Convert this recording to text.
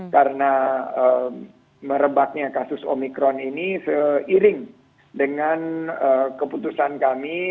karena merebaknya kasus omikron ini seiring dengan keputusan kami